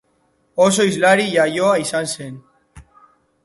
Oso hizlari iaioa izan zen.